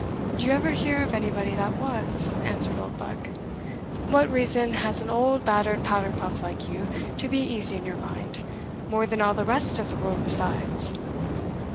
"Did you ever hear of any body that was?" answered Oldbuck; "what reason has an old battered powder puff like you to be easy in your mind, more than all the rest of the world besides?"